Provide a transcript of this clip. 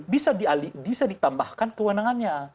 bisa ditambahkan kewenangannya